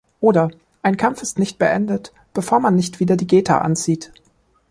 Oder: "Ein Kampf ist nicht beendet, bevor man nicht wieder die Geta anzieht".